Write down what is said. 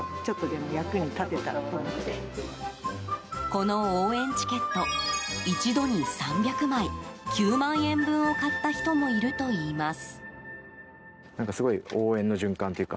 この応援チケット一度に３００枚９万円分を買った人もいるといいます。